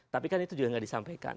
tapi kan itu juga nggak disampaikan